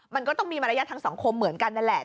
มันก็ต้องมีมารยาททางสังคมเหมือนกันนั่นแหละ